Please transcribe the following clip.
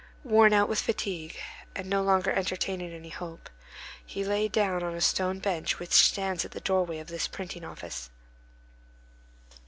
Worn out with fatigue, and no longer entertaining any hope, he lay down on a stone bench which stands at the doorway of this printing office.